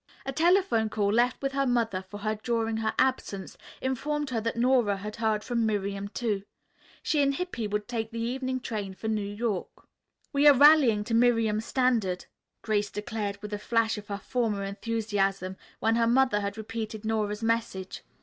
A telephone call left with her mother for her during her absence informed her that Nora had heard from Miriam, too. She and Hippy would take the evening train for New York. "We are rallying to Miriam's standard," Grace declared with a flash of her former enthusiasm, when her mother had repeated Nora's message.